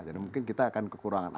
dan mungkin kita akan kekurangan air